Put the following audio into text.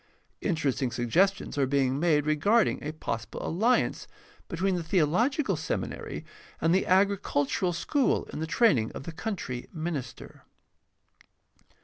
Interesting suggestions are being made regarding a possible alliance between the theological seminary and the agricultural school in the training of the country minister.